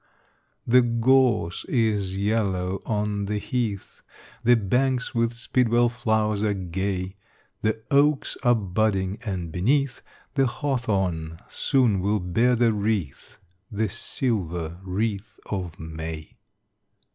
_ The gorse is yellow on the heath, The banks with speedwell flowers are gay, The oaks are budding; and beneath The hawthorn soon will bear the wreath, The silver wreath of May.